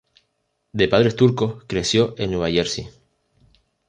De padres turcos, creció en Nueva Jersey.